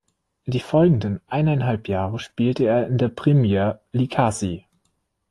Die folgenden eineinhalb Jahre spielte er in der Premyer Liqası.